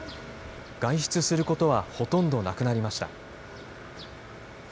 外出することはほとんどなくなりました。